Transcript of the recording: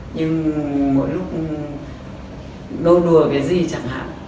nhưng mỗi lúc nô đùa cái gì chẳng hạn